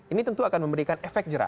ini tentu akan memberikan efek jerah